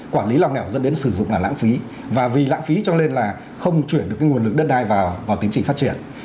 quản lý lòng lẻo dẫn đến sử dụng là lãng phí và vì lãng phí cho nên là không chuyển được nguồn lực đất đai vào vào tiến trình phát triển